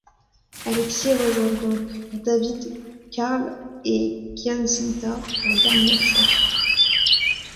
Alexis rejoint donc David, Carl et Giacinta en dernière chance.